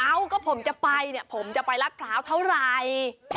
เอ้าก็ผมจะไปเนี่ยผมจะไปรัดพร้าวเท่าไหร่